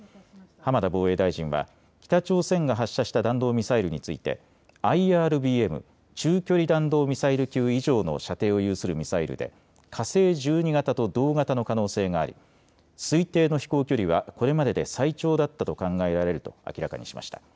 浜田防衛大臣は北朝鮮が発射した弾道ミサイルについてＩＲＢＭ・中距離弾道ミサイル級以上の射程を有するミサイルで火星１２型と同型の可能性があり推定の飛行距離はこれまでで最長だったと考えられると明らかにしました。